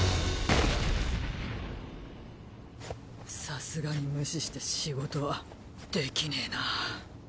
さすがに無視して仕事は出来ねな